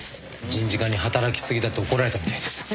人事課に働き過ぎだって怒られたみたいです。